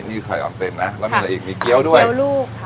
นี่ไข่ออนเซนนะแล้วมีอะไรอีกมีเกี้ยวด้วยเกี้ยวลูกค่ะ